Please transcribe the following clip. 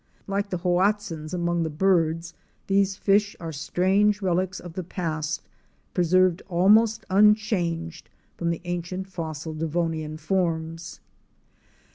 Like the Hoatzins among the birds, these fish are strange relics of the past, preserved almost unchanged from the ancient fossil Devonian forms.